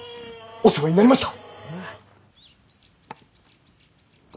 お世話になりました！